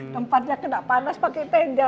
tempatnya kena panas pakai tenda